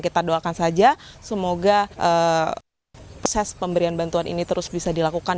kita doakan saja semoga proses pemberian bantuan ini terus bisa dilakukan